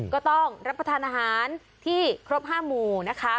ก็ต้องรับประทานอาหารที่ครบ๕หมู่นะคะ